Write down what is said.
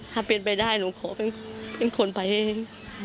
ถ้าเป็นไปได้หนูขอเป็นคนไปเอง